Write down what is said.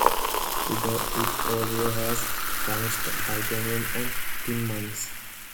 It also has tungsten, titanium and tin mines.